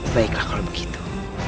baiklah kalau begitu